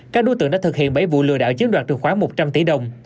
các đối tượng đã thực hiện bảy vụ lừa đảo chiếm đoạt trường khoán một trăm linh tỷ đồng